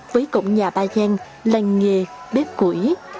với cổng nhà ba gian lành nghề bếp củi